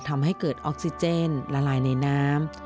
ทำให้เกิดออกซิเจนละลายในน้ำ